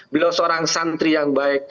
beliau seorang santri yang baik